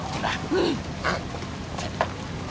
うん。